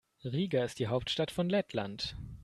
Riga ist die Hauptstadt von Lettland.